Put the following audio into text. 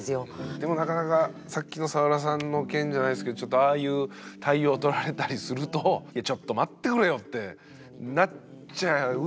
でもなかなかさっきのサワラさんの件じゃないですけどちょっとああいう対応を取られたりするといやちょっと待ってくれよってなっちゃうのもね。